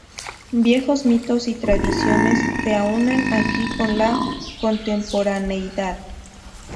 Viejos mitos y tradiciones se aúnan aquí con la contemporaneidad.